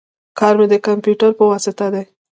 کار می د کمپیوټر په واسطه دی